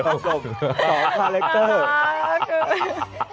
สองสองคาเล็กเตอร์